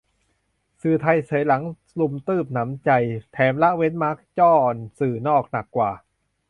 สื่อไทยเฉยหลังรุมตื้บหนำใจ แถมละเว้นมาร์คจ้อสื่อนอกหนักกว่า